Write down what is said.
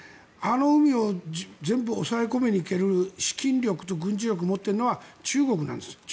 あの海を全部抑え込めにいける資金力と軍事力を持っているのは中国なんです。